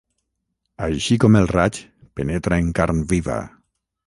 Així com el raig penetra en carn viva.